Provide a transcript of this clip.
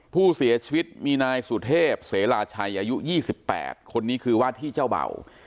ผู้เสียชีวิตมีนายสุเทพเสราชัยอายุ๒๘คนนี้คือว่าที่เจ้าเบ่า